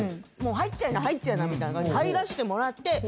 もう入っちゃいなみたいな入らしてもらって。